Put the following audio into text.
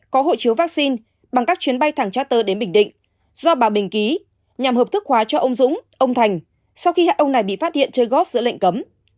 có hộ chiếu vaccine bằng các chuyến bay thẳng trater đến bình định do bà bình ký nhằm hợp thức hóa cho ông dũng ông thành sau khi hai ông này bị phát hiện chơi góp giữa lệnh cấm